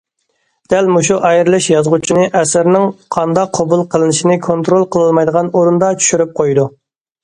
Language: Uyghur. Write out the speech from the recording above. دەل مۇشۇ ئايرىلىش يازغۇچىنى ئەسىرىنىڭ قانداق قوبۇل قىلىنىشىنى كونترول قىلالمايدىغان ئورۇندا چۈشۈرۈپ قويىدۇ.